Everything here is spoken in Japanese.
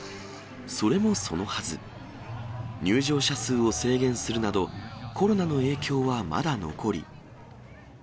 それもそのはず、入場者数を制限するなど、コロナの影響はまだ残り。